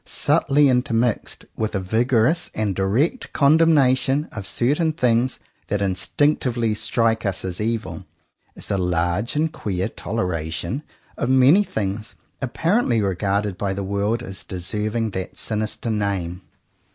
Subtly intermixed with a vigorous and direct condemnation of certain things that instinctively strike us as evil, is a large and queer toleration of many things apparently regarded by the world as deserving that sinister name.